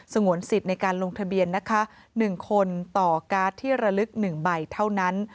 งวนสิทธิ์ในการลงทะเบียนนะคะ๑คนต่อการ์ดที่ระลึก๑ใบเท่านั้น